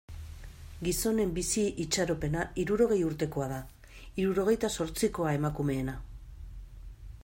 Gizonen bizi itxaropena hirurogei urtekoa da, hirurogeita zortzikoa emakumeena.